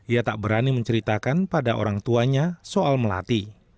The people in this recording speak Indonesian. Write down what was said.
ia tak berani menceritakan pada orang tuanya soal melati